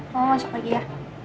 mama masuk lagi ya